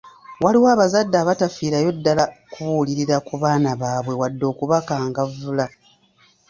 Waliwo abazadde abatafiirayo ddala kubuulirira ku baana baabwe wadde okubakangavvula.